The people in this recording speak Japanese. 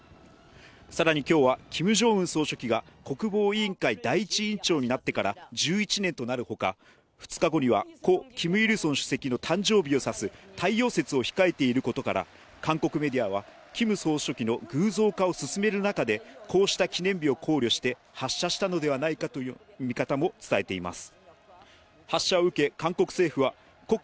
さらに今日は、キム・ジョンウン総書記が国防委員会第１委員長になってから１１年となる他、２日後にはキム・イルソン主席の誕生日を指す太陽節を控えていることから、韓国メディアはキム総書記の偶像化を進める中で、こうした記念日を考慮して発射したのではないかという見方も伝えています。